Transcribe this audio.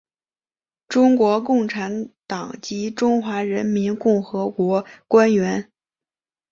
中国共产党及中华人民共和国官员。